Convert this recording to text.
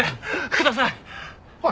ください！